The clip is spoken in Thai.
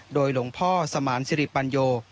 โดยหลวงพ่อสมานสิริปัญโย